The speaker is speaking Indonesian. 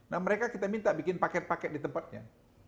nah mereka kita minta bikin paket paket di tempatnya